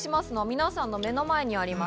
皆さんの目の前にあります。